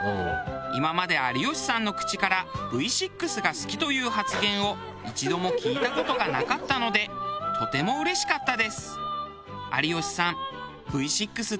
今まで有吉さんの口から「Ｖ６が好き」という発言を一度も聞いた事がなかったのでとてもうれしかったです！